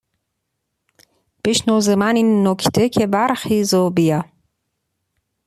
بشنو ز من این نکته که برخیز و بیا